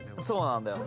そうなんだ